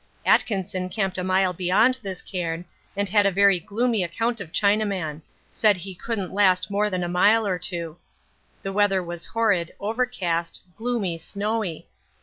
Atkinson camped a mile beyond this cairn and had a very gloomy account of Chinaman. Said he couldn't last more than a mile or two. The weather was horrid, overcast, gloomy, snowy.